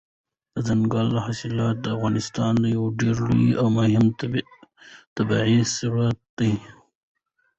دځنګل حاصلات د افغانستان یو ډېر لوی او مهم طبعي ثروت دی.